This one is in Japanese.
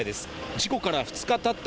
事故から２日たった